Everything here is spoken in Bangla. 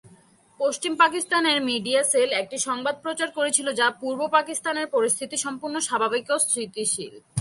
পশ্চিম পাকিস্তানের মিডিয়া সেল একটি সংবাদ প্রচার করছিল যে পূর্ব পাকিস্তানের পরিস্থিতি সম্পূর্ণ স্বাভাবিক ও স্থিতিশীল।